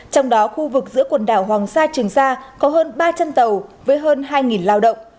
trong đó khu vực giữa quần đảo hoàng sa trường sa có hơn ba trăm linh tàu với hơn hai lao động